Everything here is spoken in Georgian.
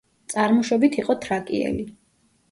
წარმოშობით იყო თრაკიელი.